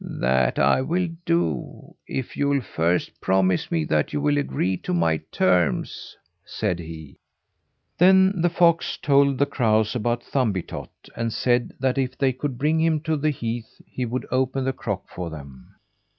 "That I will do, if you'll first promise me that you will agree to my terms," said he. Then the fox told the crows about Thumbietot, and said that if they could bring him to the heath he would open the crock for them.